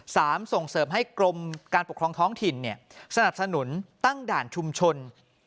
ส่งเสริมให้กรมการปกครองท้องถิ่นสนับสนุนตั้งด่านชุมชน